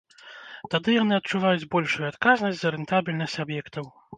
Тады яны адчуваюць большую адказнасць за рэнтабельнасць аб'ектаў.